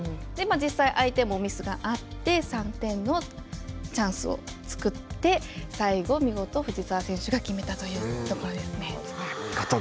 実際相手もミスがあって３点のチャンスを作って最後、見事、藤沢選手が決めたというところですね。